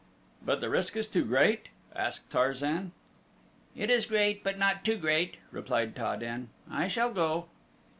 "But the risk is too great?" asked Tarzan. "It is great, but not too great," replied Ta den. "I shall go."